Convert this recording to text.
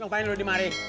ngapain lo dimari